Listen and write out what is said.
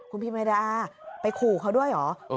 คุณพิมเมดาไปขู่เขาด้วยเหรอ